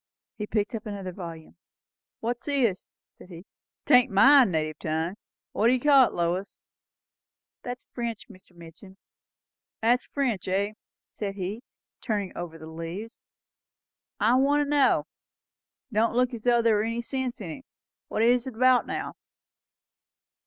He picked up an other volume. "What's this?" said he. "'Tain't my native tongue. What do ye call it, Lois?" "That is French, Mr. Midgin." "That's French, eh?" said he, turning over the leaves. "I want to know! Don't look as though there was any sense in it. What is it about, now?"